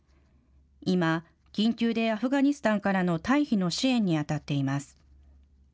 今、緊急でアフガニスタンからの退避の支援に当たっています。